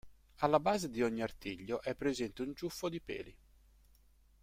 Alla base di ogni artiglio è presente un ciuffo di peli.